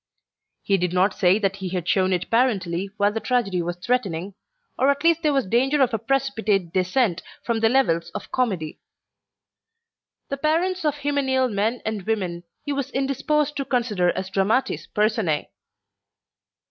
He did not say that he had shown it parentally while the tragedy was threatening, or at least there was danger of a precipitate descent from the levels of comedy. The parents of hymeneal men and women he was indisposed to consider as dramatis personae.